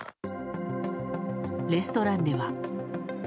レストランでは。